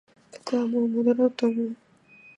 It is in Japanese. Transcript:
僕はもう戻ろうと思う